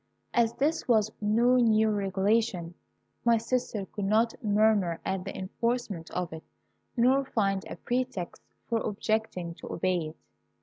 "As this was no new regulation, my sister could not murmur at the enforcement of it, nor find a pretext for objecting to obey it.